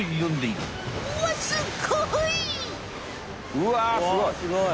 うわすごい。